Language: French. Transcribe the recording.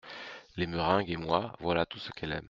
Les meringues et moi, voilà tout ce qu’elle aime.